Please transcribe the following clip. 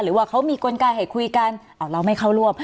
หรือว่าเขามีกลไกให้คุยกันเราไม่เข้าร่วม